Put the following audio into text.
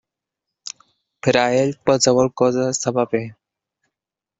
Per a ell qualsevol cosa estava bé.